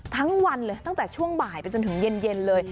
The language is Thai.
ทั้งวันเลยตั้งแต่ช่วงบ่ายไปจนถึงเย็นเลย